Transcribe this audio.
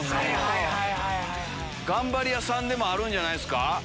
頑張り屋さんでもあるんじゃないですか？